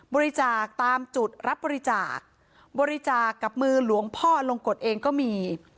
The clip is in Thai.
บริจาคตามจุดรับบริจาคบริจาคกับมือหลวงพ่อลงกฎเองก็มี